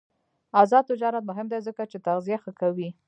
آزاد تجارت مهم دی ځکه چې تغذیه ښه کوي.